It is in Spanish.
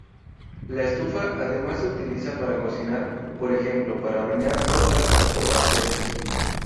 La estufa, además se utiliza para cocinar, por ejemplo, para hornear tortas o pasteles.